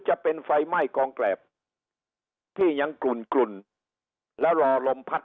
จะเป็นไฟไหม้กองแกรบที่ยังกลุ่นแล้วรอลมพัด